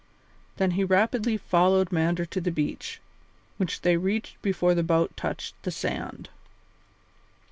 Then he rapidly followed Mander to the beach, which they reached before the boat touched the sand.